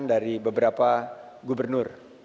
dari beberapa gubernur